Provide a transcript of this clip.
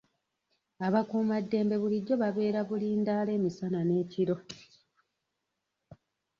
Abakuumaddembe bulijjo babeera bulindaala emisana n'ekiro.